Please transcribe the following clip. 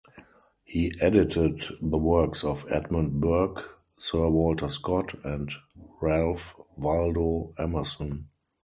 He edited the works of Edmund Burke, Sir Walter Scott, and Ralph Waldo Emerson.